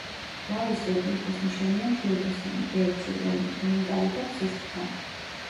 ლალის ზოდიაქოს ნიშანია მშვილდოსანი, ვერძი, ლომი, ღრიანკალი და თხის რქა.